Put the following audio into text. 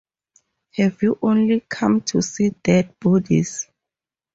Have you only come to see dead bodies?